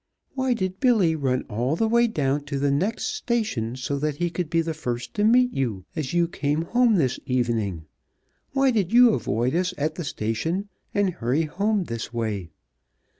Why did Billy run all the way down to the next station so that he could be the first to meet you as you came home this evening? Why did you avoid us at the station and hurry home this way?